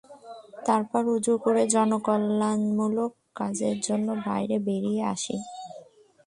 তারপর উযূ করে জনকল্যাণমূলক কাজের জন্য বাইরে বেরিয়ে আসি।